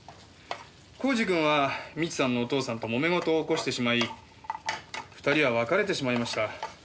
耕治君は未知さんのお父さんと揉め事を起こしてしまい２人は別れてしまいました。